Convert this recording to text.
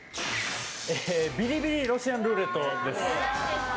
ビリビリロシアンルーレットです。